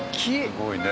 すごいね。